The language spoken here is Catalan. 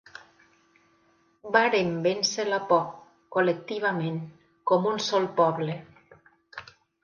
Vàrem vèncer la por, col·lectivament, com un sol poble.